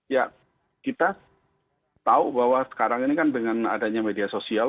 ya kita tahu bahwa sekarang ini kan dengan adanya media sosial